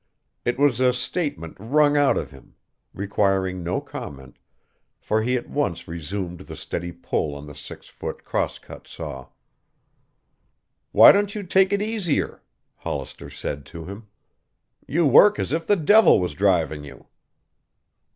It was a statement wrung out of him, requiring no comment, for he at once resumed the steady pull on the six foot, cross cut saw. "Why don't you take it easier?" Hollister said to him. "You work as if the devil was driving you."